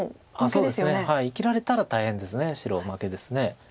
そうですね生きられたら大変です白負けです。